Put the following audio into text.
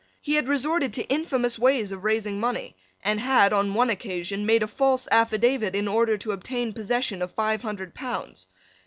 He had resorted to infamous ways of raising money, and had, on one occasion, made a false affidavit in order to obtain possession of five hundred pounds.